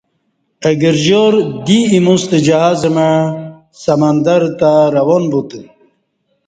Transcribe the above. اہ گرجار دی ایمو ستہ جہاز مع سمندر تہ رواں بوتہ